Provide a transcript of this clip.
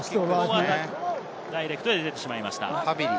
ダイレクトで出てしまいました。